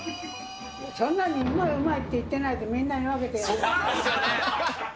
そんな、うまいうまいって言ってないで、みんなに分けてあげなさいよ。